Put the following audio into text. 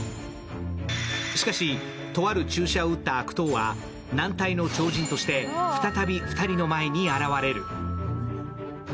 しかし、とある注射を打った悪党は軟体の超人として再び２人の前に現れる。